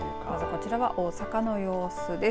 こちらは大阪の様子です。